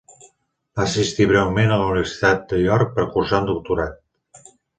Va assistir breument a la Universitat de York per cursar un doctorat.